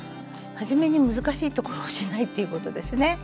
はじめに難しい所をしないっていうことですね。